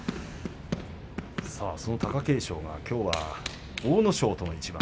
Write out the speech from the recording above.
その貴景勝は、きょうは阿武咲との一番。